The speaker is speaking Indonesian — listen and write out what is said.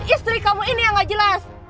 istri kamu ini yang gak jelas